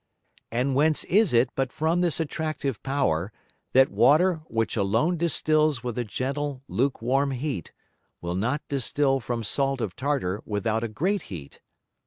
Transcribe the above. And whence is it but from this attractive Power that Water which alone distils with a gentle luke warm Heat, will not distil from Salt of Tartar without a great Heat?